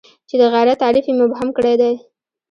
چې د غیرت تعریف یې مبهم کړی دی.